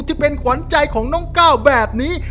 จะเป็นขวัญใจของน้องก้าวแบบนี้